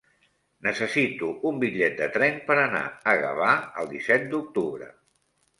Necessito un bitllet de tren per anar a Gavà el disset d'octubre.